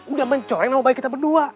udah mencoreng sama bayi kita berdua